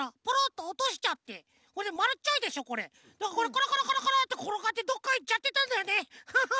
コロコロコロコロってころがってどっかいっちゃってたんだよねハハハ！